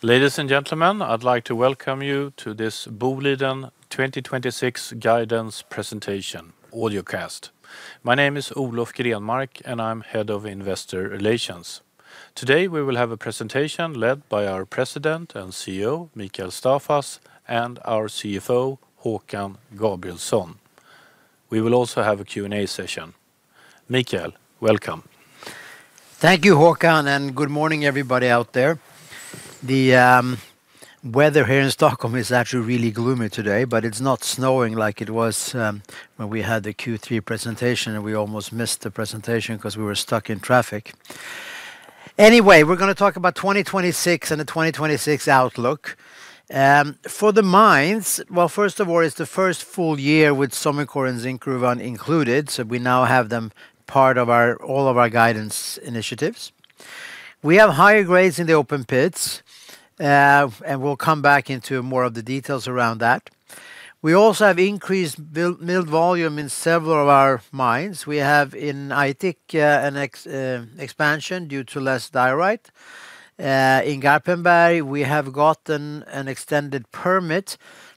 Ladies and gentlemen, I'd like to welcome you to this Boliden 2026 guidance presentation, audiocast. My name is Olof Grenmark, and I'm Head of Investor Relations. Today we will have a presentation led by our President and CEO, Mikael Staffas, and our CFO, Håkan Gabrielsson. We will also have a Q&A session. Mikael, welcome. Thank you, Håkan, and good morning, everybody out there. The weather here in Stockholm is actually really gloomy today, but it's not snowing like it was when we had the Q3 presentation, and we almost missed the presentation because we were stuck in traffic. Anyway, we're going to talk about 2026 and the 2026 outlook. For the mines, well, first of all, it's the first full year with Somincor and Zinkgruvan included, so we now have them part of all of our guidance initiatives. We have higher grades in the open pits, and we'll come back into more of the details around that. We also have increased mill volume in several of our mines. We have in Aitik an expansion due to less diorite. In Garpenberg, we have gotten an extended permit.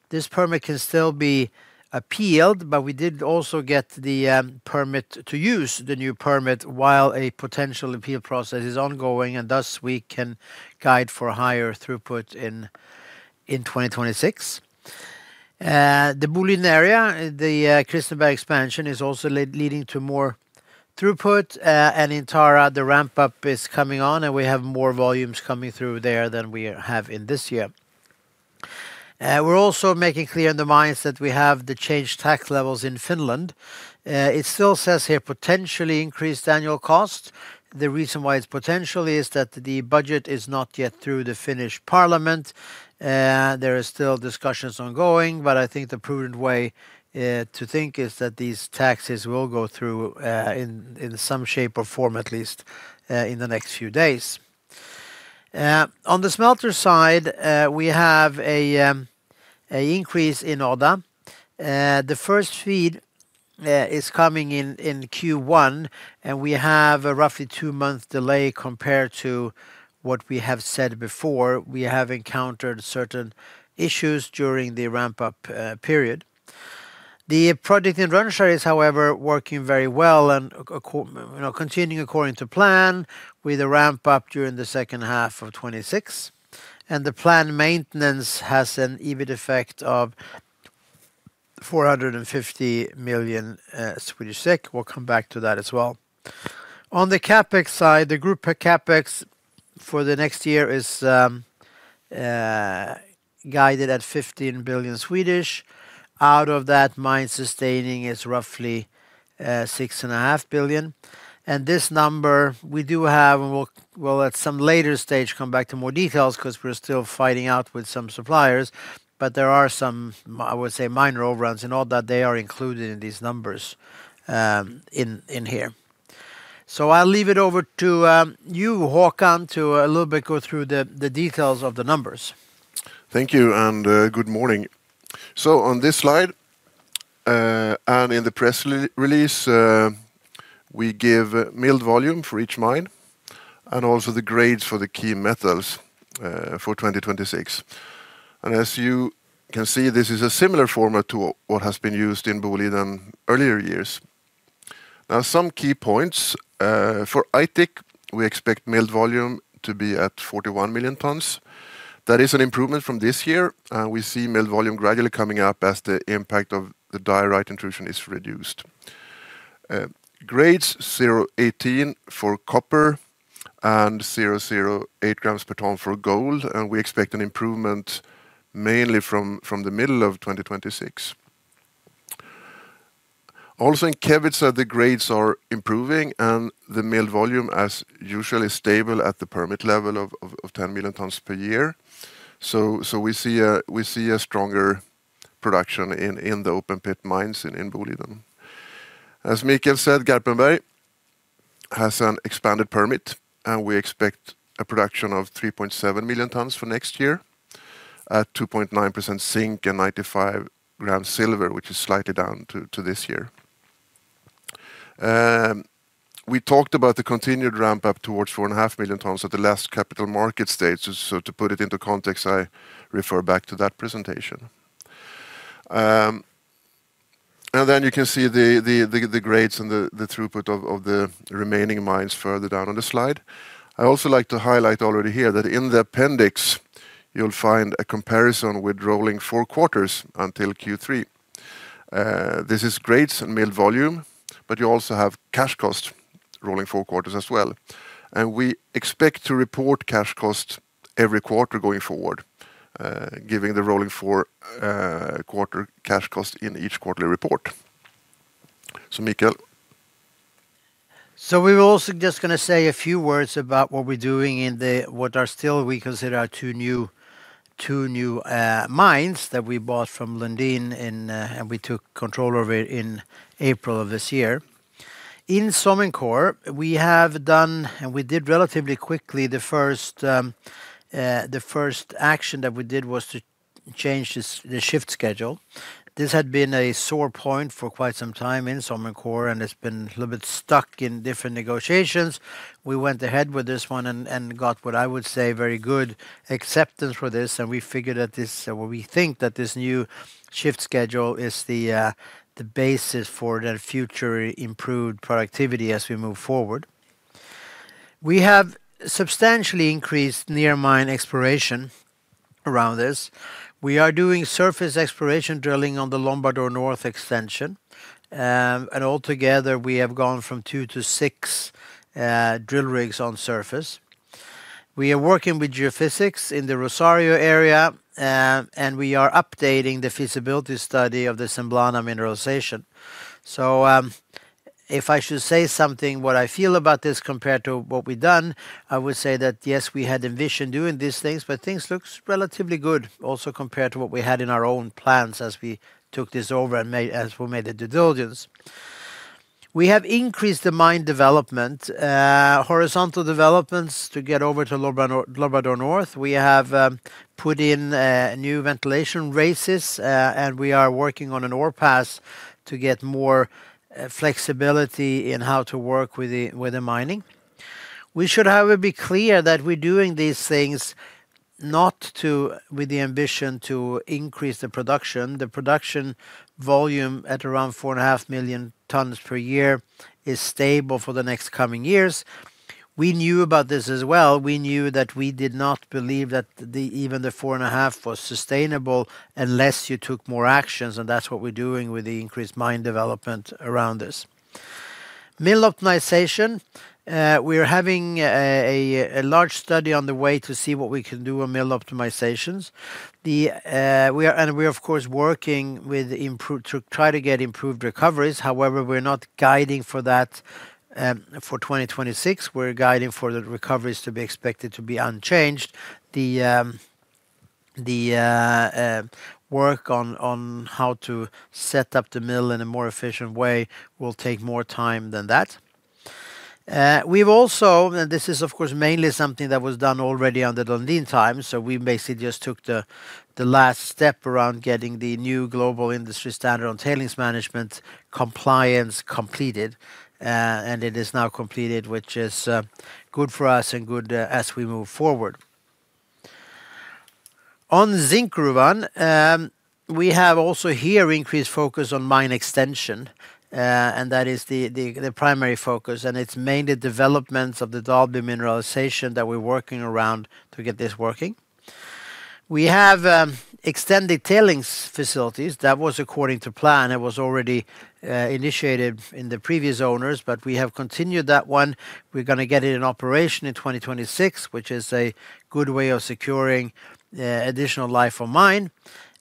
This permit can still be appealed, but we did also get the permit to use the new permit while a potential appeal process is ongoing, and thus we can guide for higher throughput in 2026. The Boliden Area, the Kristineberg expansion, is also leading to more throughput, and in Tara, the ramp-up is coming on, and we have more volumes coming through there than we have in this year. We're also making clear in the mines that we have the changed tax levels in Finland. It still says here potentially increased annual cost. The reason why it's potentially is that the budget is not yet through the Finnish parliament. There are still discussions ongoing, but I think the prudent way to think is that these taxes will go through in some shape or form at least in the next few days. On the smelter side, we have an increase in Odda. The first feed is coming in Q1, and we have a roughly two-month delay compared to what we have said before. We have encountered certain issues during the ramp-up period. The project in Rönnskär is, however, working very well and continuing according to plan with a ramp-up during the second half of 2026. And the planned maintenance has an EBIT effect of 450 million Swedish SEK. We'll come back to that as well. On the CapEx side, the growth per CapEx for the next year is guided at 15 billion. Out of that, mine sustaining is roughly 6.5 billion. And this number, we do have, and we'll at some later stage come back to more details because we're still fighting out with some suppliers, but there are some, I would say, minor overruns in all that. They are included in these numbers in here. So I'll leave it over to you, Håkan, to a little bit go through the details of the numbers. Thank you, and good morning. On this slide and in the press release, we give milled volume for each mine and also the grades for the key metals for 2026. As you can see, this is a similar format to what has been used in Boliden earlier years. Now, some key points. For Aitik, we expect milled volume to be at 41 million tons. That is an improvement from this year, and we see milled volume gradually coming up as the impact of the diorite intrusion is reduced. Grades 0.18 for copper and 0.08 g/t for gold, and we expect an improvement mainly from the middle of 2026. Also in Kevitsa, the grades are improving, and the milled volume, as usual, is stable at the permit level of 10 million tons per year. We see a stronger production in the open pit mines in Boliden. As Mikael said, Garpenberg has an expanded permit, and we expect a production of 3.7 million tons for next year at 2.9% zinc and 95 g silver, which is slightly down to this year. We talked about the continued ramp-up towards 4.5 million tons at the last Capital Markets Day. So to put it into context, I refer back to that presentation. And then you can see the grades and the throughput of the remaining mines further down on the slide. I also like to highlight already here that in the appendix, you'll find a comparison with rolling four quarters until Q3. This is grades and milled volume, but you also have cash cost rolling four quarters as well. And we expect to report cash cost every quarter going forward, giving the rolling four quarter cash cost in each quarterly report. So Mikael. So, we were also just going to say a few words about what we're doing in what we still consider our two new mines that we bought from Lundin, and we took control over in April of this year. In Somincor, we have done, and we did relatively quickly, the first action that we did was to change the shift schedule. This had been a sore point for quite some time in Somincor, and it's been a little bit stuck in different negotiations. We went ahead with this one and got what I would say very good acceptance for this, and we figured that this, or we think that this new shift schedule is the basis for the future improved productivity as we move forward. We have substantially increased near mine exploration around this. We are doing surface exploration drilling on the Lombador North extension, and altogether we have gone from two to six drill rigs on surface. We are working with geophysics in the Rosario area, and we are updating the feasibility study of the Semblana mineralization, so if I should say something, what I feel about this compared to what we've done, I would say that yes, we had envisioned doing these things, but things look relatively good also compared to what we had in our own plans as we took this over and made the due diligence. We have increased the mine development, horizontal developments to get over to Lombador North. We have put in new ventilation raises, and we are working on an ore pass to get more flexibility in how to work with the mining. We should, however, be clear that we're doing these things not with the ambition to increase the production. The production volume at around 4.5 million tons per year is stable for the next coming years. We knew about this as well. We knew that we did not believe that even the 4.5 was sustainable unless you took more actions, and that's what we're doing with the increased mine development around this. Mill optimization, we're having a large study on the way to see what we can do on mill optimizations, and we're, of course, working to try to get improved recoveries. However, we're not guiding for that for 2026. We're guiding for the recoveries to be expected to be unchanged. The work on how to set up the mill in a more efficient way will take more time than that. We've also, and this is, of course, mainly something that was done already under the Lundin time, so we basically just took the last step around getting the new Global Industry Standard on Tailings Management Compliance completed, and it is now completed, which is good for us and good as we move forward. On Zinkgruvan, we have also here increased focus on mine extension, and that is the primary focus, and it's mainly developments of the Dalby mineralization that we're working around to get this working. We have extended tailings facilities. That was according to plan. It was already initiated in the previous owners, but we have continued that one. We're going to get it in operation in 2026, which is a good way of securing additional life of mine.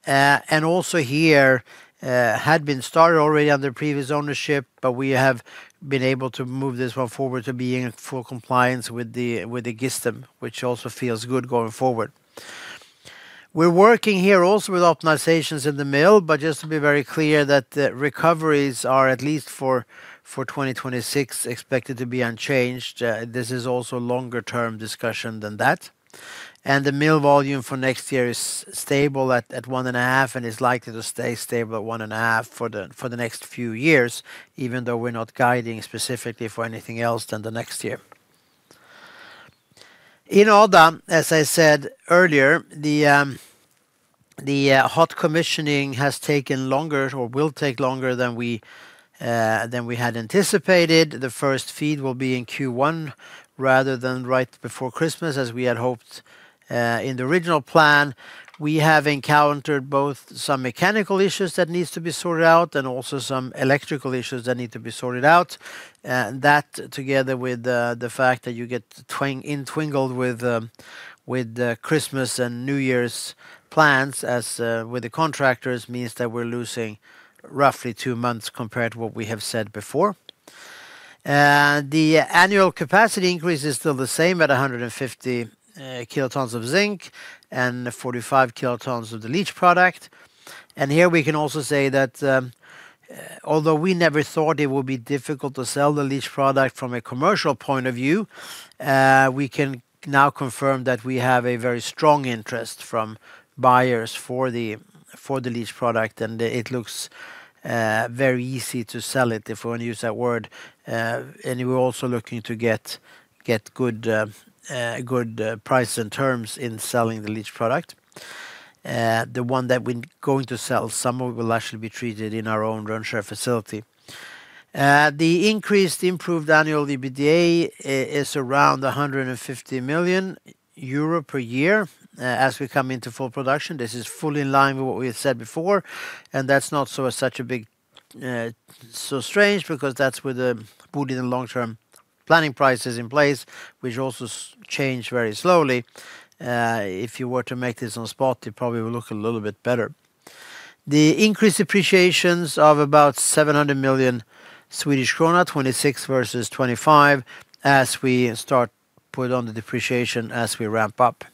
Also here had been started already under previous ownership, but we have been able to move this one forward to being in full compliance with the GISTM, which also feels good going forward. We're working here also with optimizations in the mill, but just to be very clear that the recoveries are at least for 2026 expected to be unchanged. This is also a longer-term discussion than that. The mill volume for next year is stable at 1.5 and is likely to stay stable at 1.5 for the next few years, even though we're not guiding specifically for anything else than the next year. In Odda, as I said earlier, the hot commissioning has taken longer or will take longer than we had anticipated. The first feed will be in Q1 rather than right before Christmas, as we had hoped in the original plan. We have encountered both some mechanical issues that need to be sorted out and also some electrical issues that need to be sorted out. That together with the fact that you get entangled with Christmas and New Year's plans with the contractors means that we're losing roughly two months compared to what we have said before. The annual capacity increase is still the same at 150 kt of zinc and 45 kilotons of the leach product. And here we can also say that although we never thought it would be difficult to sell the leach product from a commercial point of view, we can now confirm that we have a very strong interest from buyers for the leach product, and it looks very easy to sell it, if we want to use that word. And we're also looking to get good prices and terms in selling the leach product. The one that we're going to sell, some of it will actually be treated in our own Rönnskär facility. The increased improved annual EBITDA is around 150 million euro per year as we come into full production. This is fully in line with what we had said before, and that's not such a big surprise because that's with the Boliden long-term planning prices in place, which also change very slowly. If you were to make this on spot, it probably would look a little bit better. The increased depreciations of about SEK 700 million, 2026 versus 2025, as we start to put on the depreciation as we ramp up.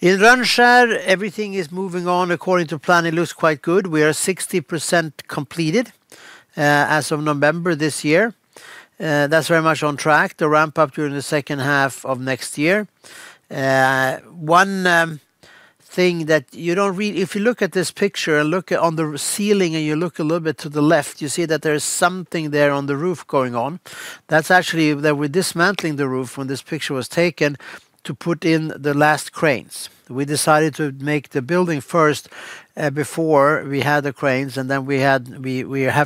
In Rönnskär, everything is moving on according to plan. It looks quite good. We are 60% completed as of November this year. That's very much on track to ramp up during the second half of next year. One thing that you don't really, if you look at this picture and look on the ceiling and you look a little bit to the left, you see that there is something there on the roof going on. That's actually that we're dismantling the roof when this picture was taken to put in the last cranes. We decided to make the building first before we had the cranes, and then we have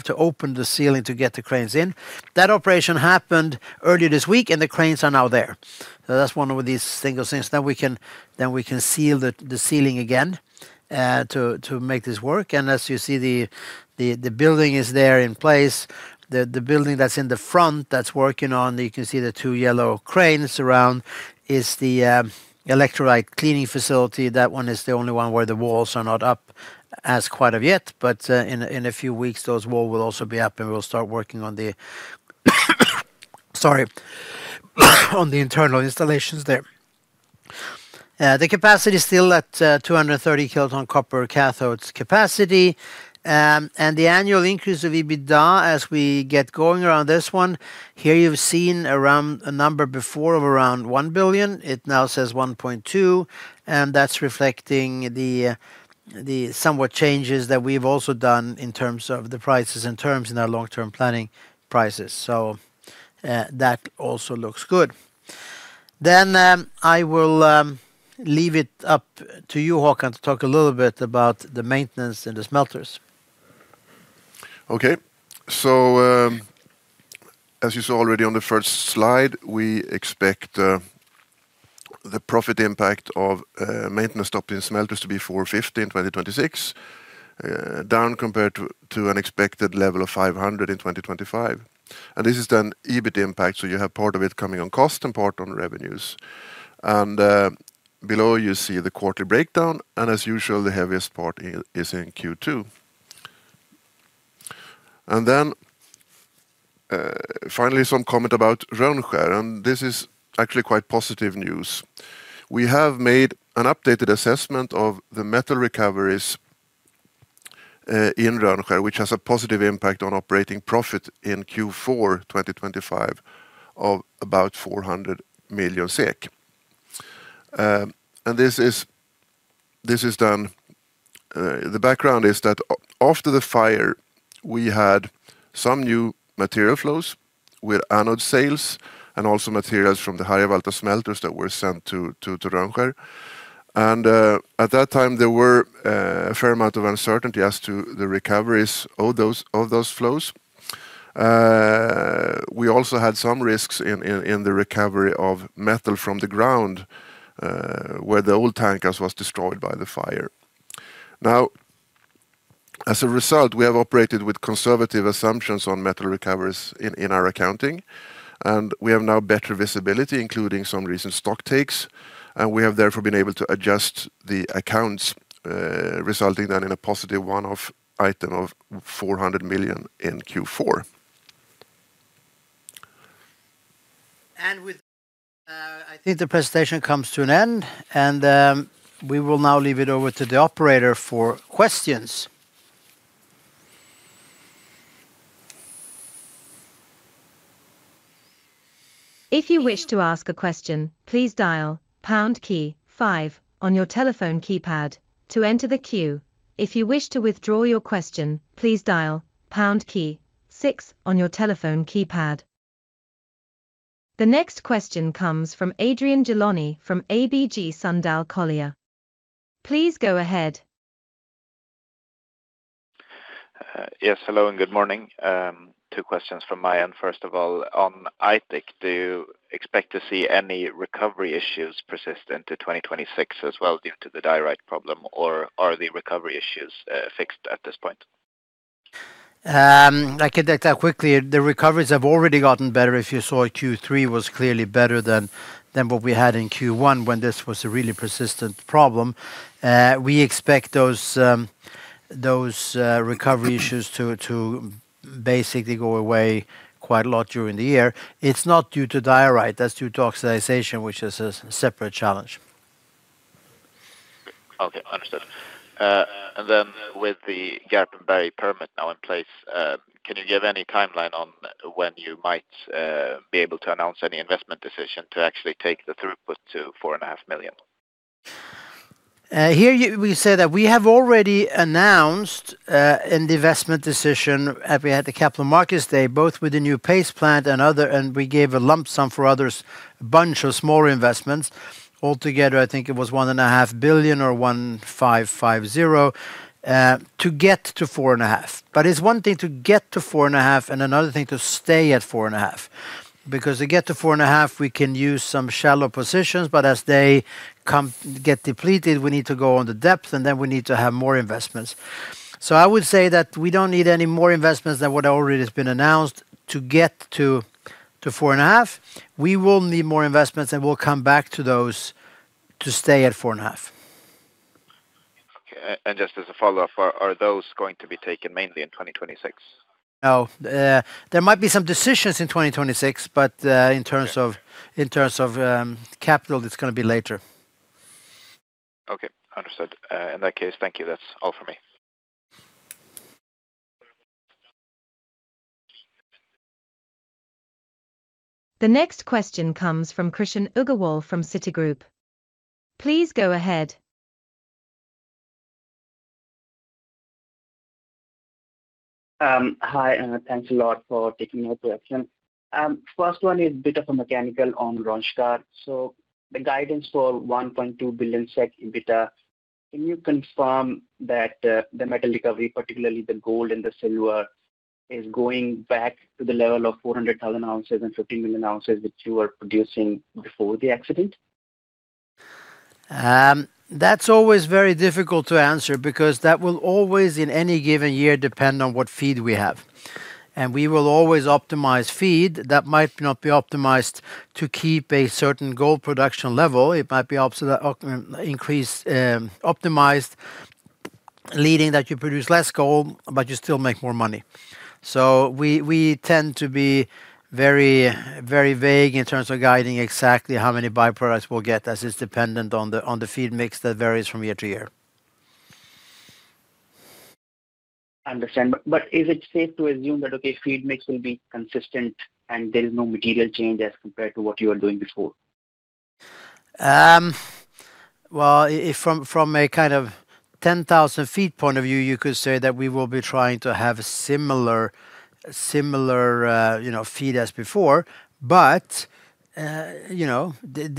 to open the ceiling to get the cranes in. That operation happened earlier this week, and the cranes are now there. So that's one of these single things that we can seal the ceiling again to make this work. And as you see, the building is there in place. The building that's in the front that's working on, you can see the two yellow cranes around, is the electrolyte cleaning facility. That one is the only one where the walls are not up as quite of yet, but in a few weeks, those walls will also be up, and we'll start working on the, sorry, on the internal installations there. The capacity is still at 230 kt copper cathodes capacity. And the annual increase of EBITDA as we get going around this one, here you've seen around a number before of around 1 billion. It now says 1.2, and that's reflecting the somewhat changes that we've also done in terms of the prices and terms in our long-term planning prices. So that also looks good. Then I will leave it up to you, Håkan, to talk a little bit about the maintenance and the smelters. Okay. As you saw already on the first slide, we expect the profit impact of maintenance stop in smelters to be 450 million in 2026, down compared to an expected level of 500 million in 2025. This is then EBIT impact, so you have part of it coming on cost and part on revenues. Below, you see the quarterly breakdown, and as usual, the heaviest part is in Q2. Then finally, some comment about Rönnskär, and this is actually quite positive news. We have made an updated assessment of the metal recoveries in Rönnskär, which has a positive impact on operating profit in Q4 2025 of about 400 million SEK. This is done. The background is that after the fire, we had some new material flows with anode sales and also materials from the Harjavalta smelters that were sent to Rönnskär. And at that time, there were a fair amount of uncertainty as to the recoveries of those flows. We also had some risks in the recovery of metal from the ground where the old tankhouse was destroyed by the fire. Now, as a result, we have operated with conservative assumptions on metal recoveries in our accounting, and we have now better visibility, including some recent stock takes, and we have therefore been able to adjust the accounts, resulting then in a positive one-off item of 400 million in Q4. And with that, I think the presentation comes to an end, and we will now leave it over to the operator for questions. If you wish to ask a question, please dial pound key five on your telephone keypad to enter the queue. If you wish to withdraw your question, please dial pound key six on your telephone keypad. The next question comes from Adrian Gilani from ABG Sundal Collier. Please go ahead. Yes, hello and good morning. Two questions from my end. First of all, on Aitik, do you expect to see any recovery issues persist into 2026 as well due to the diorite problem, or are the recovery issues fixed at this point? I can take that quickly. The recoveries have already gotten better. If you saw Q3, it was clearly better than what we had in Q1 when this was a really persistent problem. We expect those recovery issues to basically go away quite a lot during the year. It's not due to diorite. That's due to oxidization, which is a separate challenge. Okay, understood. And then with the Garpenberg permit now in place, can you give any timeline on when you might be able to announce any investment decision to actually take the throughput to 4.5 million? Here we say that we have already announced an investment decision at the Capital Markets Day, both with the new paste plant and other, and we gave a lump sum for others, a bunch of smaller investments. Altogether, I think it was 1.5 billion or 1,550 to get to 4.5. But it's one thing to get to 4.5 and another thing to stay at 4.5 because to get to 4.5, we can use some shallow positions, but as they get depleted, we need to go on the depth, and then we need to have more investments. So I would say that we don't need any more investments than what already has been announced to get to 4.5. We will need more investments, and we'll come back to those to stay at 4.5. Just as a follow-up, are those going to be taken mainly in 2026? No. There might be some decisions in 2026, but in terms of capital, it's going to be later. Okay, understood. In that case, thank you. That's all for me. The next question comes from Krishan Agarwal from Citigroup. Please go ahead. Hi, and thanks a lot for taking my question. First one is a bit of a mechanical on Rönnskär. So the guidance for 1.2 billion SEK EBITDA, can you confirm that the metal recovery, particularly the gold and the silver, is going back to the level of 400,000 oz and 15 million oz that you were producing before the accident? That's always very difficult to answer because that will always, in any given year, depend on what feed we have, and we will always optimize feed that might not be optimized to keep a certain gold production level. It might be optimized leading that you produce less gold, but you still make more money, so we tend to be very vague in terms of guiding exactly how many byproducts we'll get, as it's dependent on the feed mix that varies from year to year. I understand, but is it safe to assume that, okay, feed mix will be consistent and there is no material change as compared to what you were doing before? From a kind of 10,000 ft point of view, you could say that we will be trying to have similar feed as before. But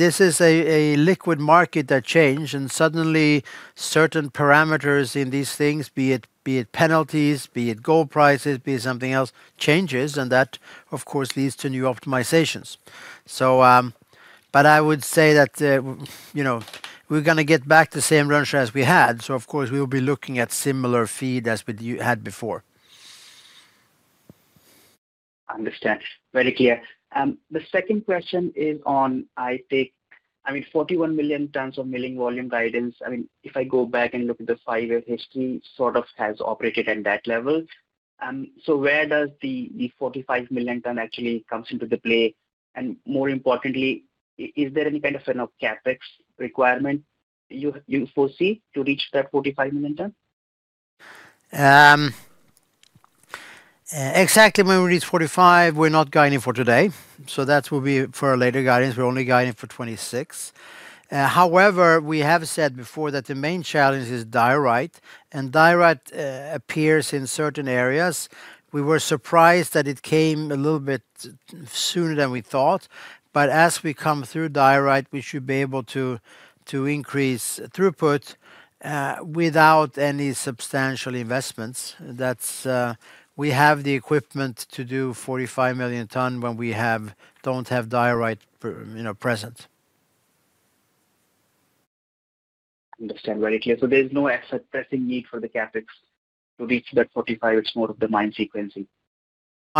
this is a liquid market that changed, and suddenly certain parameters in these things, be it penalties, be it gold prices, be it something else, changes, and that, of course, leads to new optimizations. But I would say that we're going to get back to the same Rönnskär as we had. Of course, we will be looking at similar feed as we had before. Understood. Very clear. The second question is on Aitik. I mean, 41 million tons of milling volume guidance. I mean, if I go back and look at the five-year history, sort of has operated at that level. So where does the 45 million ton actually come into the play? And more importantly, is there any kind of CapEx requirement you foresee to reach that 45 million ton? Exactly when we reach 45, we're not guiding for today. So that will be for a later guidance. We're only guiding for 2026. However, we have said before that the main challenge is diorite, and diorite appears in certain areas. We were surprised that it came a little bit sooner than we thought, but as we come through diorite, we should be able to increase throughput without any substantial investments. We have the equipment to do 45 million ton when we don't have diorite present. Understood. Very clear. So there's no pressing need for the CapEx to reach that 45. It's more of the mine sequencing.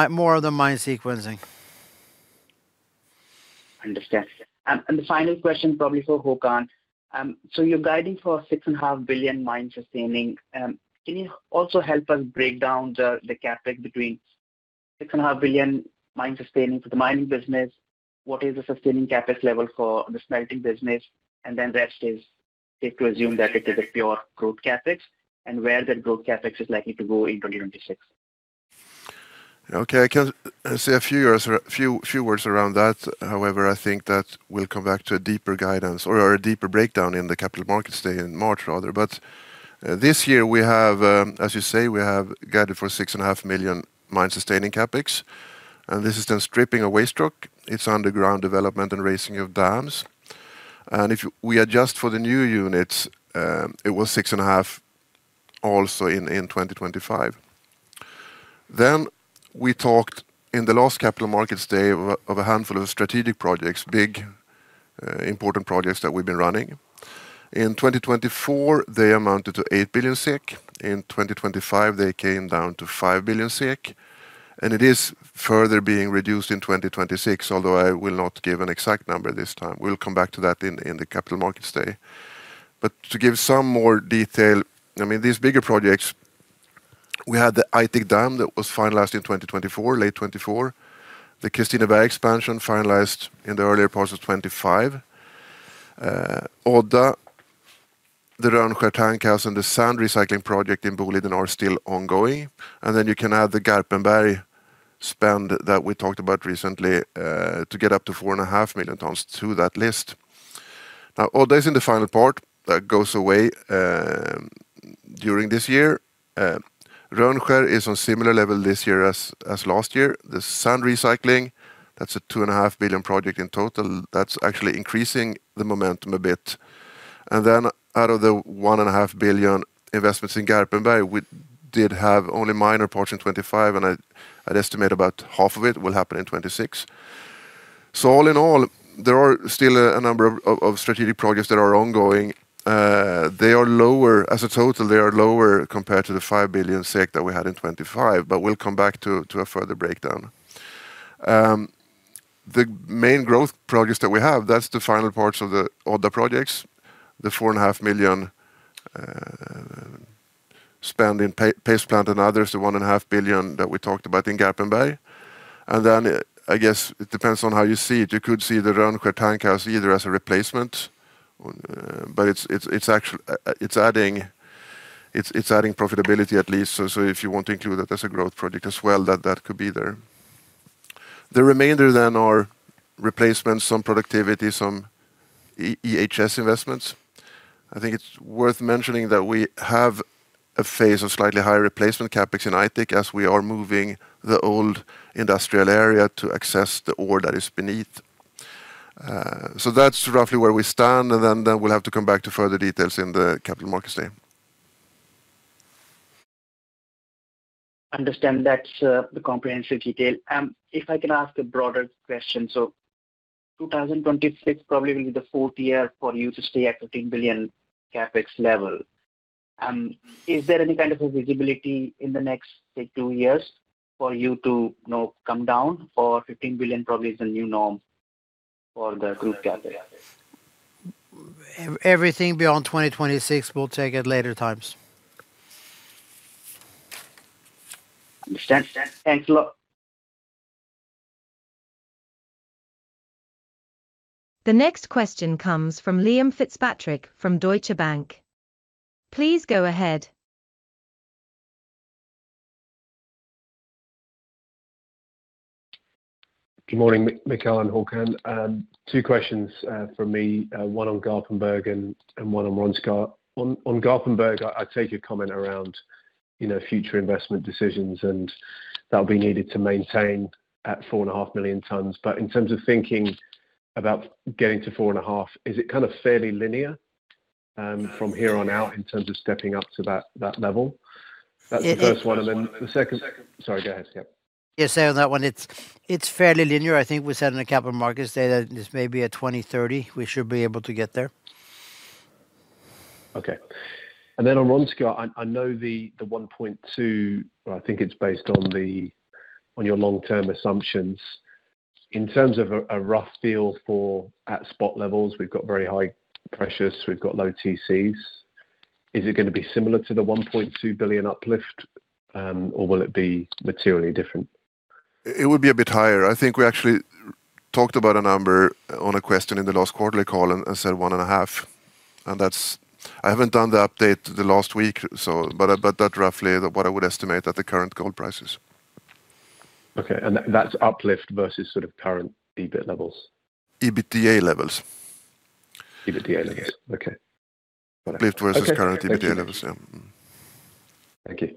More of the mine sequencing. Understood, and the final question probably for Håkan. So you're guiding for 6.5 billion mine sustaining. Can you also help us break down the CapEx between 6.5 billion mine sustaining for the mining business? What is the sustaining CapEx level for the smelting business? And then the rest is safe to assume that it is a pure growth CapEx and where that growth CapEx is likely to go in 2026. Okay. I can say a few words around that. However, I think that we'll come back to a deeper guidance or a deeper breakdown in the Capital Markets Day in March, rather, but this year, as you say, we have guided for 6.5 million mine sustaining CapEx, and this is then stripping away stock. It's underground development and raising of dams. And if we adjust for the new units, it was 6.5 billion also in 2025, then we talked in the last Capital Markets Day of a handful of strategic projects, big important projects that we've been running. In 2024, they amounted to 8 billion SEK. In 2025, they came down to 5 billion SEK, and it is further being reduced in 2026, although I will not give an exact number this time. We'll come back to that in the Capital Markets Day. But to give some more detail, I mean, these bigger projects, we had the Aitik dam that was finalized in 2024, late 2024, the Kristineberg expansion finalized in the earlier parts of 2025. Odda, the Rönnskär tankhouse, and the sand recycling project in Boliden are still ongoing. And then you can add the Garpenberg spend that we talked about recently to get up to 4.5 million tons to that list. Now, Odda is in the final part that goes away during this year. Rönnskär is on similar level this year as last year. The sand recycling, that's a 2.5 billion project in total. That's actually increasing the momentum a bit. And then out of the 1.5 billion investments in Garpenberg, we did have only a minor part in 2025, and I'd estimate about half of it will happen in 2026. So all in all, there are still a number of strategic projects that are ongoing. They are lower as a total. They are lower compared to the 5 billion SEK that we had in 2025, but we'll come back to a further breakdown. The main growth projects that we have, that's the final parts of the Odda projects, the 4.5 million spend in paste plant and others, the 1.5 billion that we talked about in Garpenberg. And then I guess it depends on how you see it. You could see the Rönnskär tankhouse either as a replacement, but it's adding profitability at least. So if you want to include that as a growth project as well, that could be there. The remainder then are replacements, some productivity, some EHS investments. I think it's worth mentioning that we have a phase of slightly higher replacement CapEx in Aitik as we are moving the old industrial area to access the ore that is beneath. So that's roughly where we stand, and then we'll have to come back to further details in the Capital Markets Day. Understood. That's the comprehensive detail. If I can ask a broader question, so 2026 probably will be the fourth year for you to stay at 15 billion CapEx level. Is there any kind of visibility in the next, say, two years for you to come down or 15 billion probably is the new norm for the Group CapEx? Everything beyond 2026 will take at later times. Understood. Thanks a lot. The next question comes from Liam Fitzpatrick from Deutsche Bank. Please go ahead. Good morning, Mikael and Håkan. Two questions from me, one on Garpenberg and one on Rönnskär. On Garpenberg, I'd take your comment around future investment decisions and that will be needed to maintain at 4.5 million tons. But in terms of thinking about getting to 4.5, is it kind of fairly linear from here on out in terms of stepping up to that level? That's the first one. And then the second. Yes, I can. Sorry, go ahead. Yep. Yes, I have that one. It's fairly linear. I think we said in the Capital Markets Day that this may be a 2030. We should be able to get there. Okay. And then on Rönnskär, I know the 1.2, I think it's based on your long-term assumptions. In terms of a rough feel for at spot levels, we've got very high pressures, we've got low TCs. Is it going to be similar to the 1.2 billion uplift, or will it be materially different? It would be a bit higher. I think we actually talked about a number on a question in the last quarterly call and said 1.5, and I haven't done the update the last week, but that's roughly what I would estimate at the current gold prices. Okay. And that's uplift versus sort of current EBIT levels? EBITDA levels. EBITDA levels. Okay. Uplift versus current EBITDA levels. Yeah. Thank you.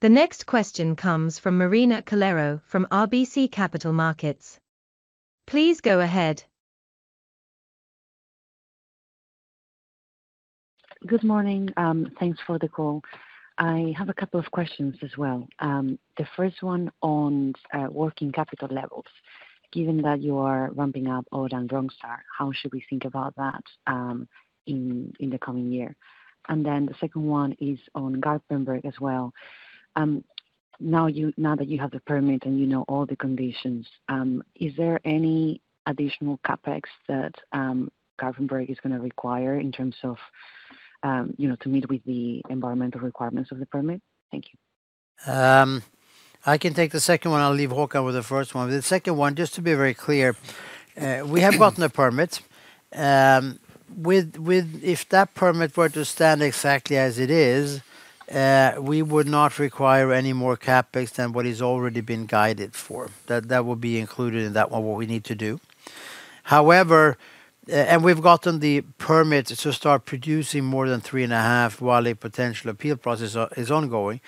The next question comes from Marina Calero from RBC Capital Markets. Please go ahead. Good morning. Thanks for the call. I have a couple of questions as well. The first one on working capital levels. Given that you are ramping up Odda and Rönnskär, how should we think about that in the coming year? And then the second one is on Garpenberg as well. Now that you have the permit and you know all the conditions, is there any additional CapEx that Garpenberg is going to require in terms of to meet with the environmental requirements of the permit? Thank you. I can take the second one. I'll leave Håkan with the first one. The second one, just to be very clear, we have gotten a permit. If that permit were to stand exactly as it is, we would not require any more CapEx than what has already been guided for. That will be included in that one, what we need to do. However, and we've gotten the permit to start producing more than 3.5 while a potential appeal process is ongoing.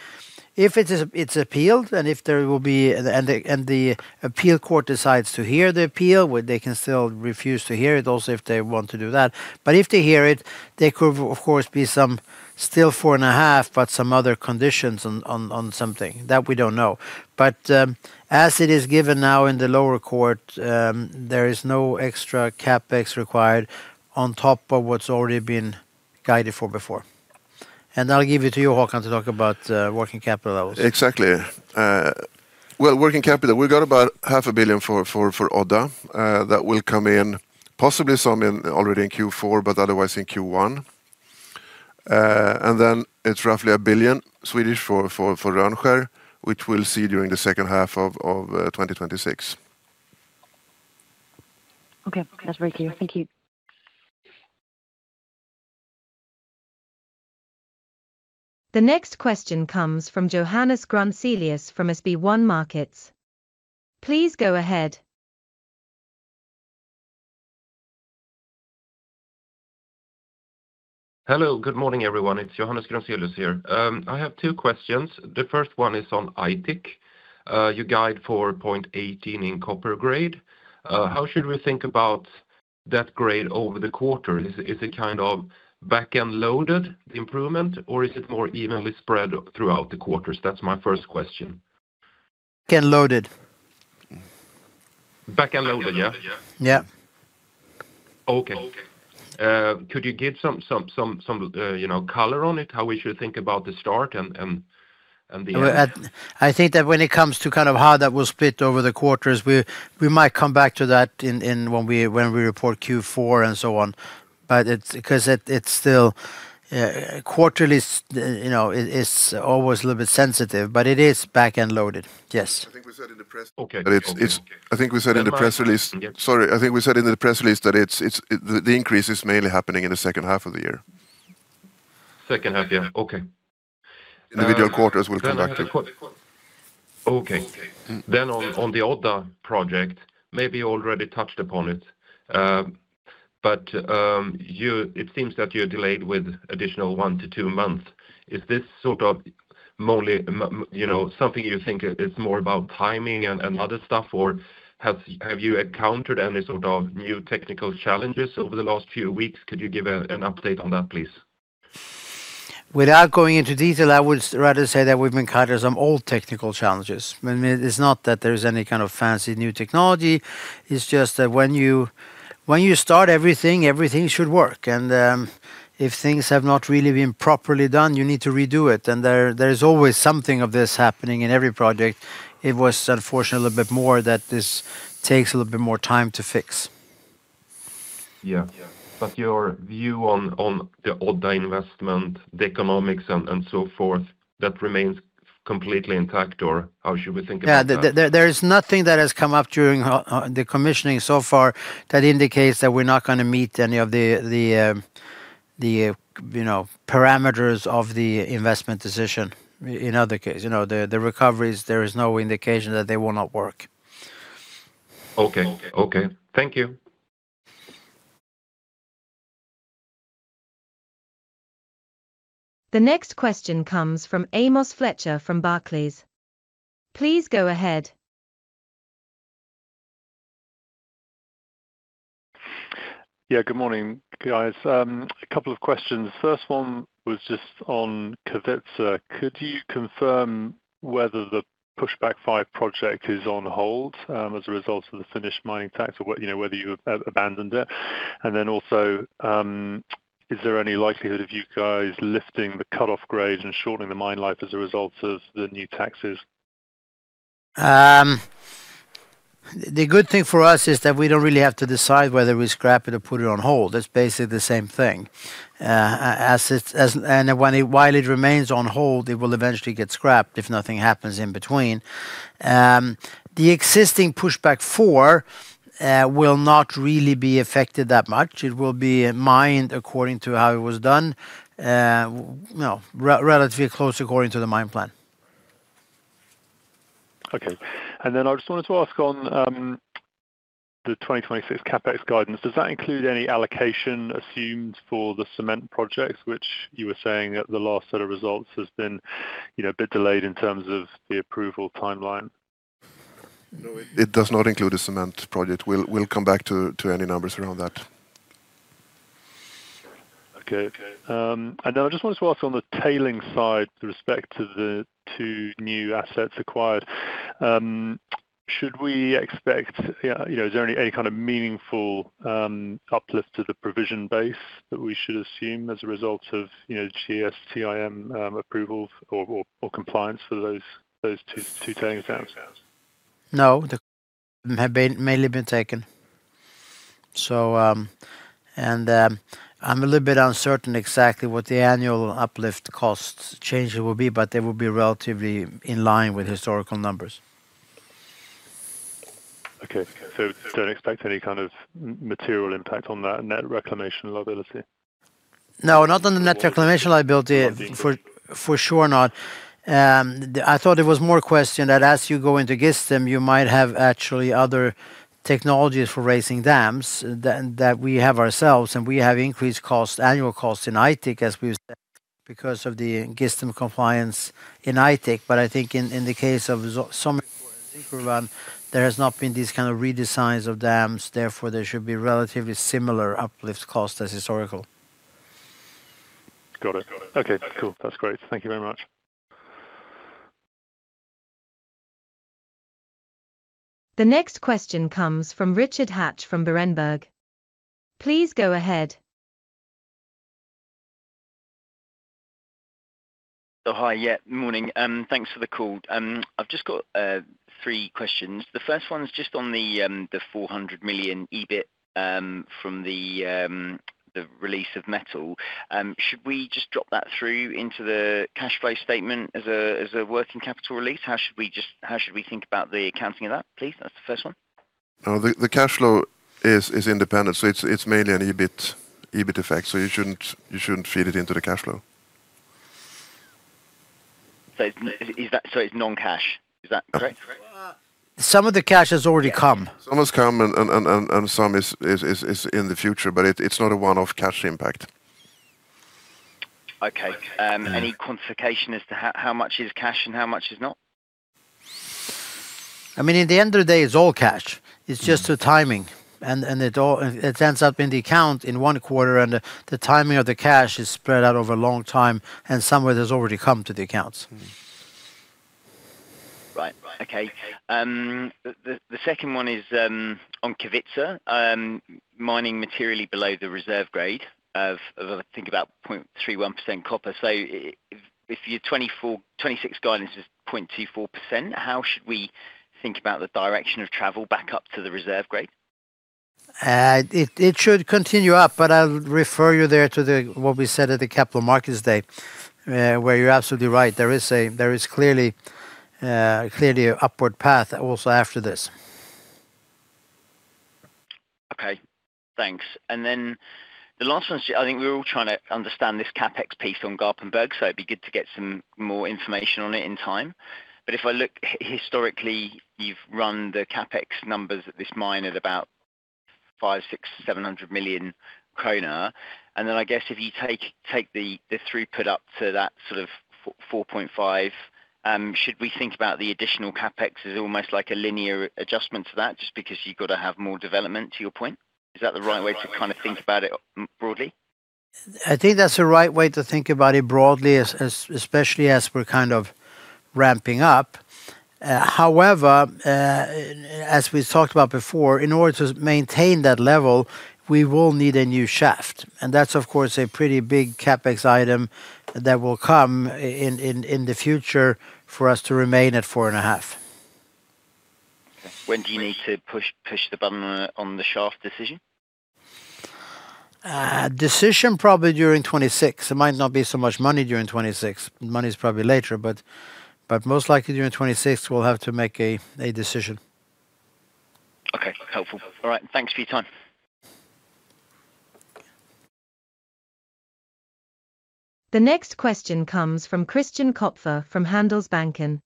If it's appealed and if there will be and the appeal court decides to hear the appeal, they can still refuse to hear it also if they want to do that. But if they hear it, there could, of course, be some still 4.5, but some other conditions on something. That we don't know. But as it is given now in the lower court, there is no extra CapEx required on top of what's already been guided for before. And I'll give it to you, Håkan, to talk about working capital levels. Exactly. Well, working capital, we've got about 500 million for Odda that will come in, possibly some already in Q4, but otherwise in Q1, and then it's roughly 1 billion for Rönnskär, which we'll see during the second half of 2026. Okay. That's very clear. Thank you. The next question comes from Johannes Grunselius from SpareBank 1 Markets. Please go ahead. Hello. Good morning, everyone. It's Johannes Grunselius here. I have two questions. The first one is on Aitik. You guide 4.18 in copper grade. How should we think about that grade over the quarter? Is it kind of back-end loaded improvement, or is it more evenly spread throughout the quarters? That's my first question. Back-end loaded. Back-end loaded, yeah? Yeah. Okay. Could you give some color on it? How we should think about the start and the end? I think that when it comes to kind of how that will split over the quarters, we might come back to that when we report Q4 and so on. Because it's still quarterly, it's always a little bit sensitive, but it is back-end loaded. Yes. I think we said in the press. Okay. I think we said in the press release. Sorry. I think we said in the press release that the increase is mainly happening in the second half of the year. Second half, yeah. Okay. Individual quarters will come back to. Okay. Then on the Odda project, maybe you already touched upon it, but it seems that you're delayed with additional one to two months. Is this sort of something you think it's more about timing and other stuff, or have you encountered any sort of new technical challenges over the last few weeks? Could you give an update on that, please? Without going into detail, I would rather say that we've encountered some old technical challenges. I mean, it's not that there's any kind of fancy new technology. It's just that when you start everything, everything should work. And if things have not really been properly done, you need to redo it. And there is always something of this happening in every project. It was unfortunate a little bit more that this takes a little bit more time to fix. Yeah. But your view on the Odda investment, the economics, and so forth, that remains completely intact, or how should we think about that? Yeah. There is nothing that has come up during the commissioning so far that indicates that we're not going to meet any of the parameters of the investment decision. In other cases, the recoveries, there is no indication that they will not work. Okay. Thank you. The next question comes from Amos Fletcher from Barclays. Please go ahead. Yeah. Good morning, guys. A couple of questions. First one was just on Kevitsa. Could you confirm whether the Pushback 5 project is on hold as a result of the Finnish mining tax or whether you have abandoned it? And then also, is there any likelihood of you guys lifting the cutoff grade and shortening the mine life as a result of the new taxes? The good thing for us is that we don't really have to decide whether we scrap it or put it on hold. That's basically the same thing. And while it remains on hold, it will eventually get scrapped if nothing happens in between. The existing Pushback 4 will not really be affected that much. It will be mined according to how it was done, relatively close according to the mine plan. Okay, and then I just wanted to ask on the 2026 CapEx guidance. Does that include any allocation assumed for the cement projects, which you were saying that the last set of results has been a bit delayed in terms of the approval timeline? No, it does not include the cement project. We'll come back to any numbers around that. Okay. And then I just wanted to ask on the tailings side with respect to the two new assets acquired. Should we expect? Is there any kind of meaningful uplift to the provision base that we should assume as a result of GISTM approvals or compliance for those two tailings standards? No. They have mainly been taken, and I'm a little bit uncertain exactly what the annual uplift cost change will be, but they will be relatively in line with historical numbers. Okay, so don't expect any kind of material impact on that net reclamation liability? No, not on the net reclamation liability, for sure not. I thought it was more a question that as you go into GISTM, you might have actually other technologies for raising dams that we have ourselves. And we have increased annual costs in Aitik, as we've said, because of the GISTM compliance in Aitik. But I think in the case of Zinkgruvan, there has not been these kind of redesigns of dams. Therefore, there should be relatively similar uplift costs as historical. Got it. Okay. Cool. That's great. Thank you very much. The next question comes from Richard Hatch from Berenberg. Please go ahead. Hi. Yeah. Good morning. Thanks for the call. I've just got three questions. The first one's just on the 400 million EBIT from the release of metal. Should we just drop that through into the cash flow statement as a working capital release? How should we think about the accounting of that, please? That's the first one. No, the cash flow is independent. So it's mainly an EBIT effect. So you shouldn't feed it into the cash flow. So it's non-cash. Is that correct? Some of the cash has already come. Some has come, and some is in the future, but it's not a one-off cash impact. Okay. Any quantification as to how much is cash and how much is not? I mean, at the end of the day, it's all cash. It's just the timing and it ends up in the account in one quarter, and the timing of the cash is spread out over a long time, and somewhere there's already come to the accounts. Right. Okay. The second one is on Kevitsa, mining materially below the reserve grade of, I think, about 0.31% copper. So if your 2026 guidance is 0.24%, how should we think about the direction of travel back up to the reserve grade? It should continue up, but I'll refer you there to what we said at the Capital Markets Day, where you're absolutely right. There is clearly an upward path also after this. Okay. Thanks. And then the last one is, I think we're all trying to understand this CapEx piece on Garpenberg, so it'd be good to get some more information on it in time. But if I look historically, you've run the CapEx numbers at this mine at about 500 million, 600 million, 700 million kronor. And then I guess if you take the throughput up to that sort of 4.5 billion, should we think about the additional CapEx as almost like a linear adjustment to that just because you've got to have more development, to your point? Is that the right way to kind of think about it broadly? I think that's the right way to think about it broadly, especially as we're kind of ramping up. However, as we talked about before, in order to maintain that level, we will need a new shaft, and that's, of course, a pretty big CapEx item that will come in the future for us to remain at 4.5 billion. When do you need to push the button on the shaft decision? Decision probably during 2026. There might not be so much money during 2026. Money's probably later, but most likely during 2026, we'll have to make a decision. Okay. Helpful. All right. Thanks for your time. The next question comes from Christian Kopfer from Handelsbanken.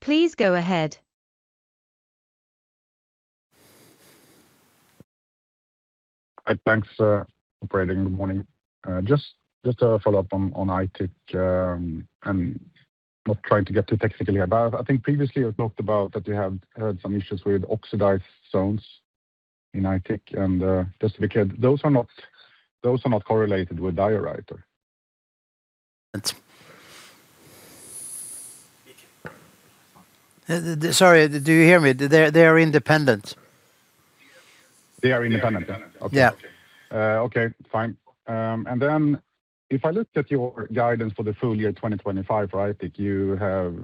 Please go ahead. Hi. Thanks for joining. Good morning. Just a follow-up on Aitik and not trying to get too technical here, but I think previously you talked about that you have heard some issues with oxidized zones in Aitik, and just to be clear, those are not correlated with diorite. Sorry. Do you hear me? They are independent. They are independent. Yeah. Okay. Fine. And then if I look at your guidance for the full year 2025 for Aitik, you have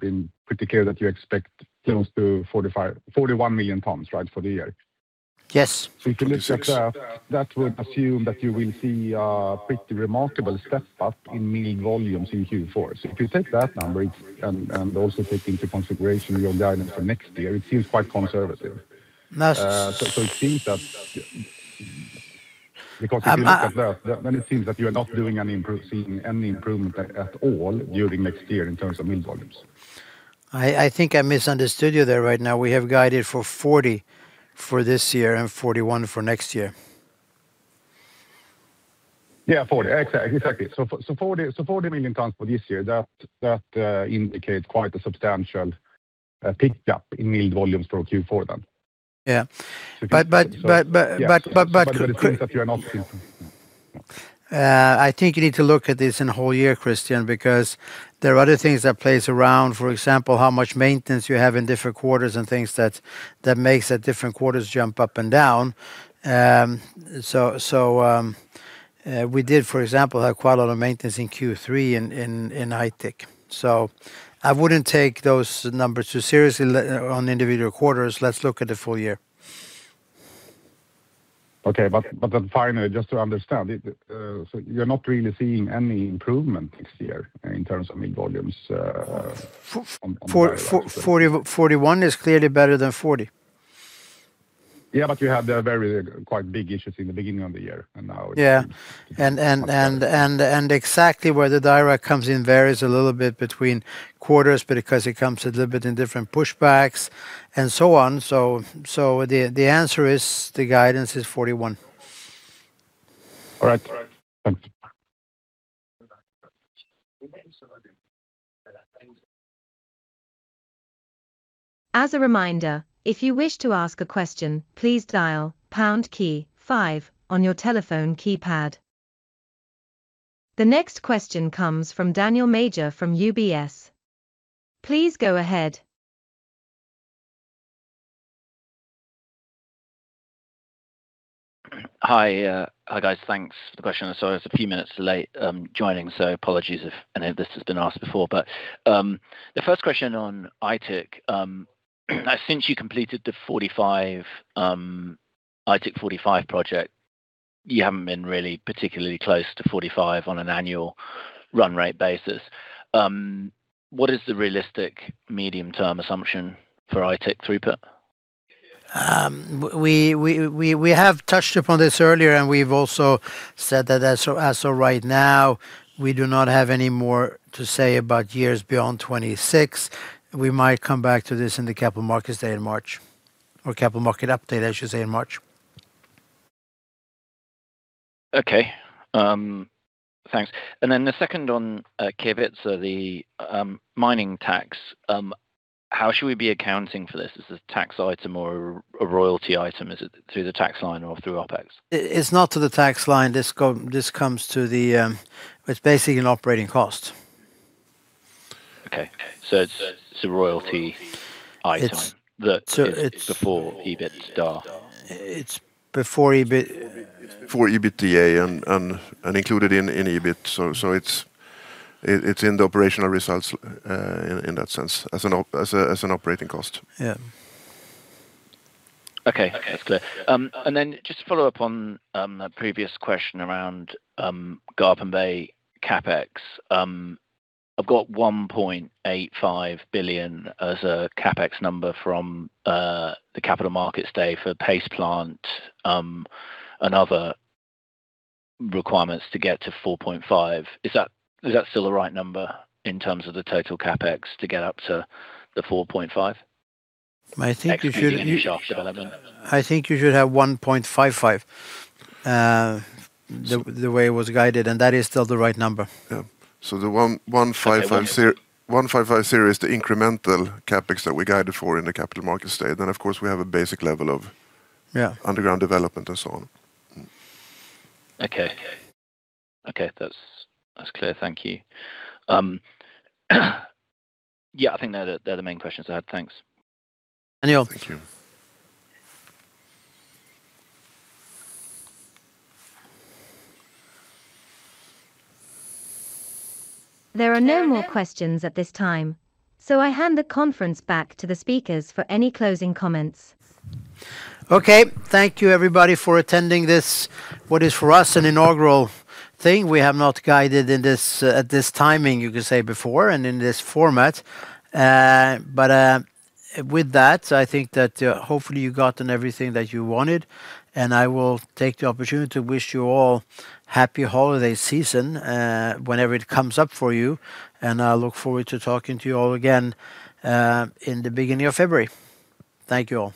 been pretty clear that you expect close to 41 million tons, right, for the year? Yes. If you look at that, that would assume that you will see a pretty remarkable step up in mill volumes in Q4. If you take that number and also take into consideration your guidance for next year, it seems quite conservative. It seems that because you look at that, then it seems that you are not seeing any improvement at all during next year in terms of mill volumes. I think I misunderstood you there right now. We have guided for 40 for this year and 41 for next year. Yeah, 40. Exactly. So 40 million tons for this year, that indicates quite a substantial pickup in mill volumes for Q4 then. Yeah. But. But it seems that you are not. I think you need to look at this in a whole year, Christian, because there are other things that play around, for example, how much maintenance you have in different quarters and things that makes that different quarters jump up and down. So we did, for example, have quite a lot of maintenance in Q3 in Aitik. So I wouldn't take those numbers too seriously on individual quarters. Let's look at the full year. Okay, but then finally, just to understand, so you're not really seeing any improvement this year in terms of mill volumes on the mine? 41 is clearly better than 40. Yeah, but you had quite big issues in the beginning of the year and now. Yeah. And exactly where the diorite comes in varies a little bit between quarters because it comes a little bit in different pushbacks and so on. So the answer is the guidance is 41. All right. Thanks. As a reminder, if you wish to ask a question, please dial pound key five on your telephone keypad. The next question comes from Daniel Major from UBS. Please go ahead. Hi, guys. Thanks for the question. So I was a few minutes late joining, so apologies if any of this has been asked before. But the first question on Aitik, since you completed the 45, Aitik 45 project, you haven't been really particularly close to 45 on an annual run rate basis. What is the realistic medium-term assumption for Aitik throughput? We have touched upon this earlier, and we've also said that as of right now, we do not have any more to say about years beyond 2026. We might come back to this in the Capital Markets Day in March or Capital Markets Update, I should say, in March. Okay. Thanks. And then the second on Kevitsa, the mining tax, how should we be accounting for this? Is it a tax item or a royalty item? Is it through the tax line or through OpEx? It's not through the tax line. It's basically an operating cost. Okay. So it's a royalty item that is before EBITDA. It's before EBIT. It's before EBITDA and included in EBIT. So it's in the operational results in that sense as an operating cost. Yeah. Okay. That's clear. And then just to follow up on a previous question around Garpenberg CapEx, I've got 1.85 billion as a CapEx number from the Capital Markets Day for paste plant and other requirements to get to 4.5. Is that still the right number in terms of the total CapEx to get up to the 4.5? I think you should. Capital for shaft development. I think you should have 1.55 the way it was guided, and that is still the right number. Yeah. So the 1.55 billion is the incremental CapEx that we guided for in the Capital Markets Day. Then, of course, we have a basic level of underground development and so on. Okay. Okay. That's clear. Thank you. Yeah, I think they're the main questions I had. Thanks. Thank you. Thank you. There are no more questions at this time, so I hand the conference back to the speakers for any closing comments. Okay. Thank you, everybody, for attending this, what is for us an inaugural thing. We have not guided at this timing, you could say, before and in this format, but with that, I think that hopefully you got everything that you wanted, and I will take the opportunity to wish you all a happy holiday season whenever it comes up for you, and I look forward to talking to you all again in the beginning of February. Thank you all.